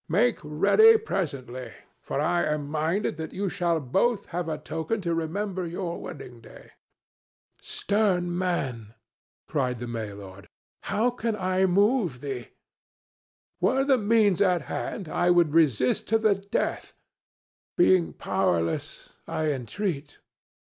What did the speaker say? Make ready presently, for I am minded that ye shall both have a token to remember your wedding day." "Stern man," cried the May lord, "how can I move thee? Were the means at hand, I would resist to the death; being powerless, I entreat.